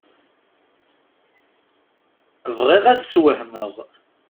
Bɣiɣ ad t-sswehmeɣ.